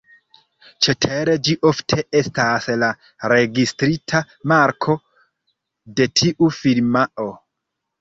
Cetere, ĝi ofte estas la registrita marko de tiu firmao.